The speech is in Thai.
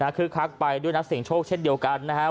นักคือคลักษณ์ไปด้วยนักสิ่งโชคเช่นเดียวกันนะฮะ